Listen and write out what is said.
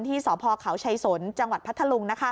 ที่สคชายสนจังหวัดพัทธลุง